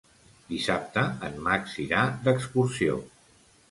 Dissabte en Max irà d'excursió.